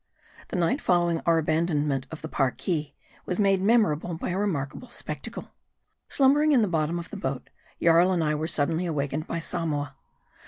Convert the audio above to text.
THE night following our abandonment of the Parki, was made memorable by a remarkable spectacle. Slumbering in the bottom of the boat, Jarl and I were suddenly awakened by Samoa.